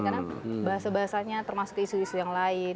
karena bahasa bahasanya termasuk isu isu yang lain